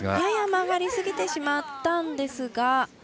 やや曲がりすぎてしまったんですが。